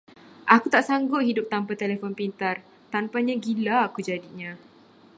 Aku tak sanggup hidup tanpa telefon pintar, tanpanya gila aku jadinya.